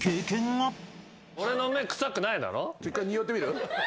１回におってみる？